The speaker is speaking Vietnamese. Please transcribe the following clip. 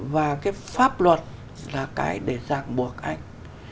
và cái pháp luật là cái để giảng buộc anh